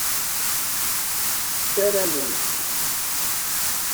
Ssaramen.